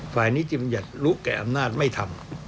ฝ่ายนิติบัญญัติรู้แก่อำนาจไม่ทำ